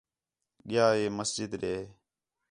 ڳِیا ہی مسجد ݙے